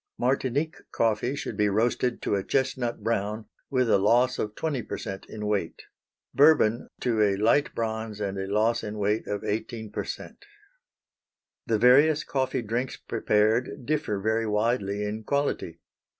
Martinique coffee should be roasted to a chestnut brown, with a loss of 20 percent in weight; Bourbon to a light bronze and a loss in weight of 18 percent. The various coffee drinks prepared differ very widely in quality.